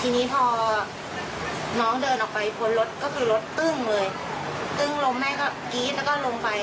ทีนี้พอน้องเดินออกไปบนรถก็คือรถตึ้งเลยตึ้งล้มแม่ก็กรี๊ดแล้วก็ลงไป